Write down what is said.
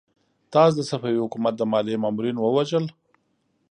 تاسو د صفوي حکومت د ماليې مامورين ووژل!